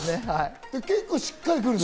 結構しっかりくるね。